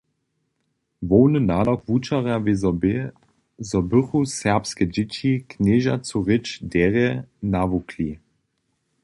Hłowny nadawk wučerja wězo bě, zo bychu serbske dźěći knježacu rěč derje nawukli.